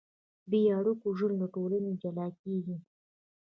بېاړیکو ژوند له ټولنې جلا کېږي.